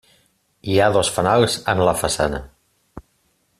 Hi ha dos fanals en la façana.